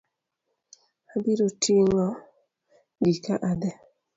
Abiro ting'o gika adhi.